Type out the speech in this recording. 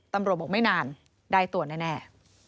ตำรวจบอกไม่นานได้ตัวแน่